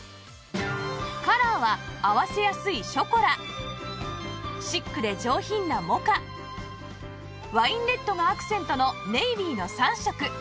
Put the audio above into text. カラーは合わせやすいショコラシックで上品なモカワインレッドがアクセントのネイビーの３色